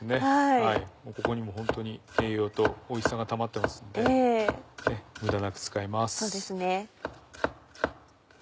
ここにもホントに栄養とおいしさがたまってますんで無駄なく使います。